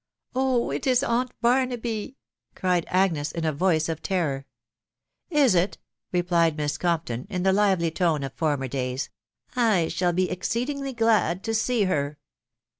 "Oh! it is aunt Barnaby!" cried Agnes in a voica of terror. " Is it?* replied Miss Conrpton, in the livery tone of former days* " I shall he exceedingly glad to see her.